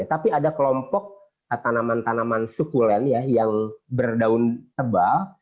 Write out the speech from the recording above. tapi ada kelompok tanaman tanaman sukulen yang berdaun tebal